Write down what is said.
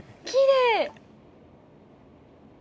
きれい！